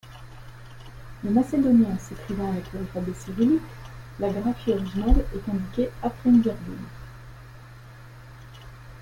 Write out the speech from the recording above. Le macédonien s'écrivant avec l'alphabet cyrillique, la graphie originale est indiquée après une virgule.